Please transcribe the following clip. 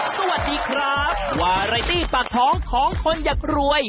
สวัสดีครับวาไรตี้ปากท้องของคนอยากรวย